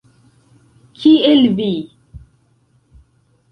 Kiel vi!